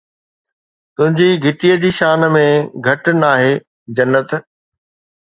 تنهنجي گهٽيءَ جي شان ۾ گهٽ ناهي، جنت